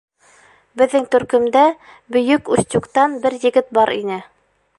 — Беҙҙең төркөмдә Бөйөк Устюгтан бер егет бар ине.